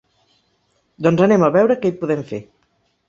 Doncs anem a veure què hi podem fer.